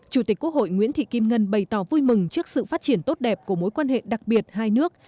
chủ tịch quốc hội nguyễn thị kim ngân bày tỏ vui mừng trước sự phát triển tốt đẹp của mối quan hệ đặc biệt hai nước